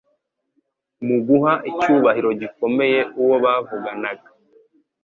Mu guha icyubahiro gikomeye uwo bavuganaga,